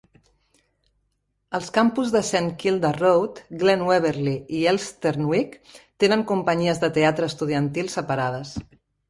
Els campus de Saint Kilda Road, Glen Waverley i Elsternwick tenen companyies de teatre estudiantils separades.